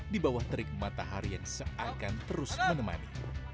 di bawah terik matahari yang seakan terus menemani